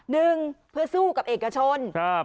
๑เพื่อซู่กับเอกชน